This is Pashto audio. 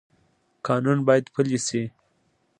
قانون باید پلی شي